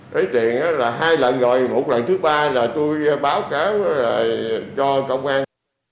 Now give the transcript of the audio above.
lấy tiền là hai lần rồi một lần thứ ba là tôi báo cáo cho công an